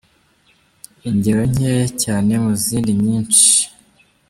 Ingero nkeya cyane mu zindi nyinshi: